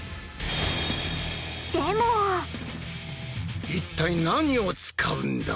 でも一体何を使うんだ？